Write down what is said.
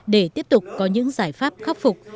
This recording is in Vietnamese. để tiếp tục có những giải pháp khắc phục